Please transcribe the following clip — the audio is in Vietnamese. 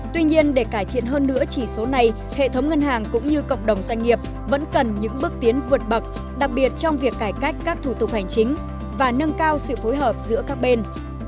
tuy nhiên để cải thiện hơn nữa chỉ số này hệ thống ngân hàng cũng như cộng đồng doanh nghiệp vẫn cần những bước tiến vượt bậc đặc biệt trong việc cải cách các thủ tục hành chính và nâng cao sự phối hợp giữa các bên